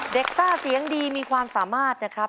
ซ่าเสียงดีมีความสามารถนะครับ